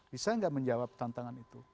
bisa nggak menjawab tantangan itu